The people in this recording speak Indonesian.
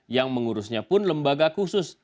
yang mengurusnya pun lembaga khusus